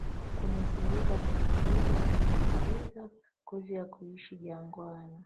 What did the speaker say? kunusurika Nilikuwa nimemaliza kozi ya kuishi jangwani